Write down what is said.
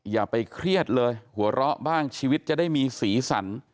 อย่าไปเครียดเลยหัวเราะบ้างชีวิตจะได้มีสีสัน